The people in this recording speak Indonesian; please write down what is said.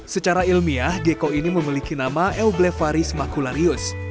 secara ilmiah gecko ini memiliki nama eublevaris macularius